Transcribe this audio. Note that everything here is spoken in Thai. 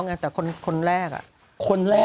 คุณหนุ่มกัญชัยได้เล่าใหญ่ใจความไปสักส่วนใหญ่แล้ว